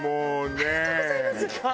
ありがとうございます！